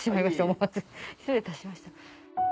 思わず失礼いたしました。